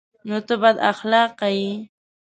_نو ته بد اخلاقه يې؟